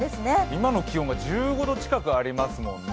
今の気温が１５度近くありますもんね。